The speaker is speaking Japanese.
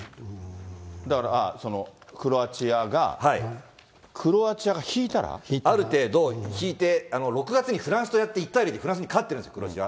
だから、クロアチアが、クロアチアが引いたら？ある程度引いて、６月にフランスとやって、１対０でフランスに勝ってるんです、クロアチア。